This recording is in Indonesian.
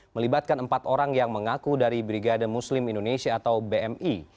melibatkan empat orang yang mengaku dari brigade muslim indonesia atau bmi